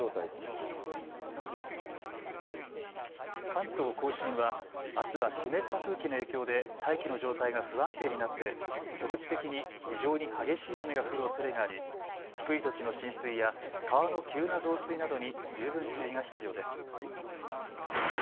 関東甲信はあすは湿った空気の影響で大気の状態が不安定になって局地的に非常に激しい雨が降るおそれがあり、低い土地の浸水や川の急な増水などに十分注意が必要です。